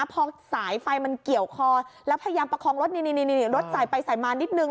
พอสายไฟมันเกี่ยวคอแล้วพยายามประคองรถนี่รถสายไปสายมานิดนึง